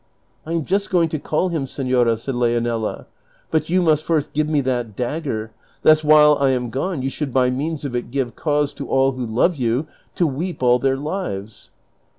"I am just going to call him, senora," said Leonela; "but you must first give me that dagger, lest while I am gone you should by means of it give cause to all who love you to weep all their lives."